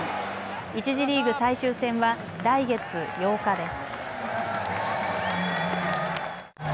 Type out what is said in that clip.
１次リーグ最終戦は来月８日です。